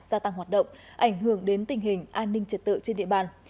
gia tăng hoạt động ảnh hưởng đến tình hình an ninh trật tự trên địa bàn